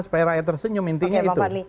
supaya rakyat tersenyum intinya itu